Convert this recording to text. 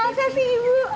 wah saya sih ibu